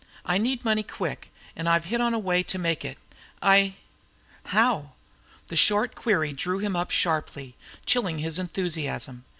I need money quick and I've hit on the way to make it. I " "How?" The short query drew him up sharply, chilling his enthusiasm.